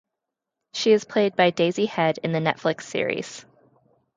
She is played by Daisy Head in the Netflix series.